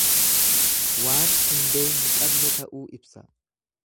Waan hundee hin qabne ta'uu ibsa.